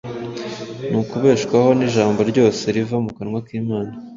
ni ukubeshwaho n’ijambo ryose riva mu kanwa k’Imana;